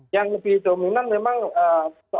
yang lebih dominan memang soal pendidikan